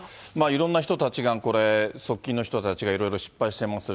いろんな人たちがこれ、側近の人たちがいろいろ失敗してます。